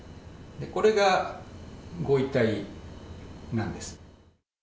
これがご遺体なんです。